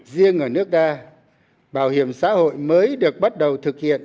riêng ở nước ta bảo hiểm xã hội mới được bảo hiểm